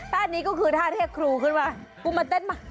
นี้ก็คือท่าเรียกครูขึ้นมากูมาเต้นมา